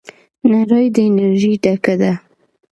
نړۍ د انرژۍ ډکه ده.